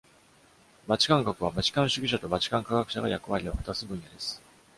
バチカン学は、バチカン主義者とバチカン科学者が役割を果たす分野です。